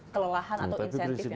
kelelahan atau insentifnya itu